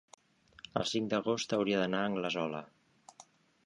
el cinc d'agost hauria d'anar a Anglesola.